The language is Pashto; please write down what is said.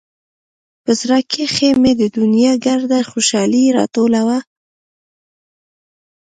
په زړه کښې مې د دونيا ګرده خوشالي راټوله وه.